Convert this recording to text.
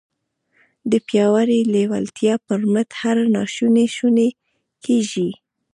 د پياوړې لېوالتیا پر مټ هر ناشونی شونی کېږي.